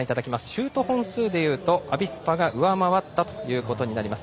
シュート本数はアビスパが上回ったということになります。